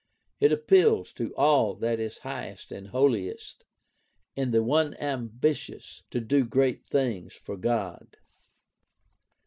It appeals to all that is highest and holiest in the one ambitious to ''do great things for God."